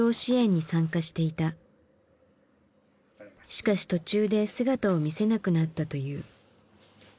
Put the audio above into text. しかし途中で姿を見せなくなったという。